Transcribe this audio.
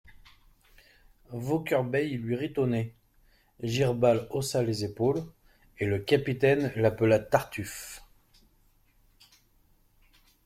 Vaucorbeil lui rit au nez, Girbal haussa les épaules, et le capitaine l'appela Tartuffe.